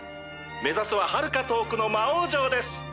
目指すははるか遠くの魔王城です。